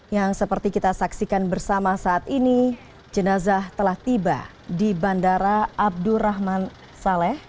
yang seperti kita saksikan bersama saat ini jenazah telah tiba di bandara abdurrahman saleh